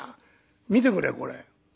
見てくれこれ」。